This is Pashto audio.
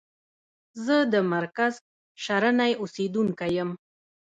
زه د مرکز شرنی اوسیدونکی یم.